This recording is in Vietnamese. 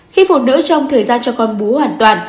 khi phụ nữ trong thời gian cho con bú hoàn toàn